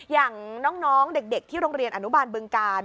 อย่างน้องเด็กที่โรงเรียนอนุบาลบึงกาล